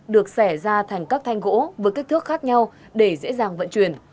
được xẻ ra thành các thanh gỗ với kích thước khác nhau để dễ dàng vận chuyển